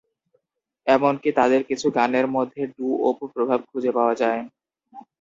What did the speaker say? এমনকি তাদের কিছু গানের মধ্যে ডু-ওপ প্রভাব খুঁজে পাওয়া যায়।